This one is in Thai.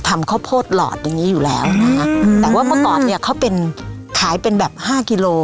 ทำข้าวโพดหลอดอย่างงี้อยู่แล้วนะคะอืมแต่ว่าเมื่อก่อนเนี้ยเขาเป็นขายเป็นแบบห้ากิโล